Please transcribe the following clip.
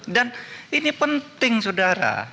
dan ini penting sodara